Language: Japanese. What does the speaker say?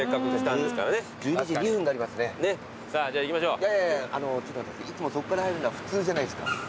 いつもそこから入るのは普通じゃないですか。